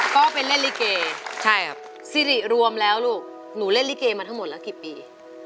ก็เป็นเล่นรีเกย์ซีรีส์รวมแล้วลูกหนูเล่นรีเกย์มาทั้งหมดแล้วกี่ปี